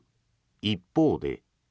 一方で。